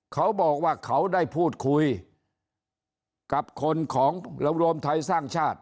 เขาบอกว่าเขาได้พูดคุยกับคนของเรารวมไทยสร้างชาติ